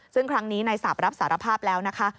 ซึ่งครั้งนี้นายสาปรับสารภาพแล้วนะคะ